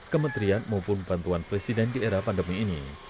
kementerian maupun bantuan presiden di era pandemi ini